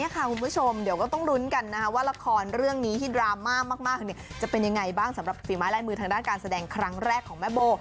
คุณผู้ชมเดี๋ยวก็ต้องลุ้นกันว่าละครเรื่องนี้ที่ดราม่ามากจะเป็นยังไงบ้างสำหรับฝีไม้ลายมือทางด้านการแสดงครั้งแรกของแม่โบ